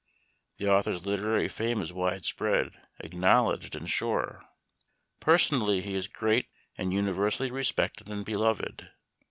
The author's literary fame is wide spread, ac knowledged, and sure. Personally he is greatly and universally respected and beloved.